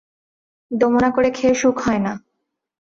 দোমনা করে খেয়ে সুখ হয় না।